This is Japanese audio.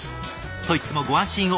といってもご安心を。